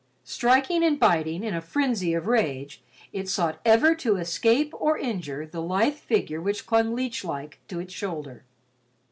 Striking and biting in a frenzy of rage, it sought ever to escape or injure the lithe figure which clung leech like to its shoulder.